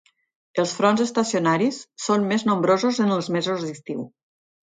Els fronts estacionaris són més nombrosos en els mesos d'estiu.